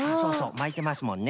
まいてますもんね